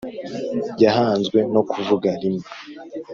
yahanzwe no kuvuga rimwe